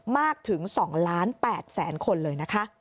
มากถึง๒ล้าน๘แสนคนเลยนะคะ